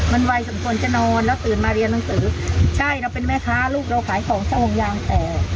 มันไวสมควรจะนอนแล้วตื่นมาเรียนหนังสือใช่เราเป็นแม่ค้าลูกเราขายของเจ้าของยางแตก